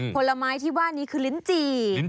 ผลไม้ที่ว่านี้คือลิ้นจี่